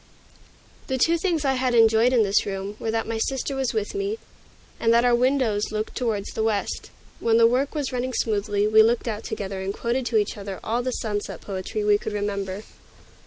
The two things I had enjoyed in this room were that my sister was with me, and that our windows looked toward the west. When the work was running smoothly, we looked out together and quoted to each other all the sunset poetry we could remember.